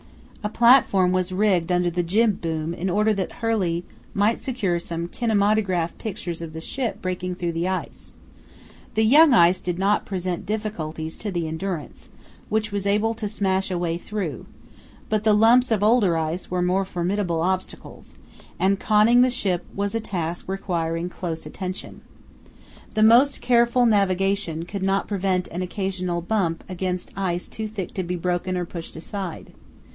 A platform was rigged under the jib boom in order that Hurley might secure some kinematograph pictures of the ship breaking through the ice. The young ice did not present difficulties to the Endurance, which was able to smash a way through, but the lumps of older ice were more formidable obstacles, and conning the ship was a task requiring close attention. The most careful navigation could not prevent an occasional bump against ice too thick to be broken or pushed aside.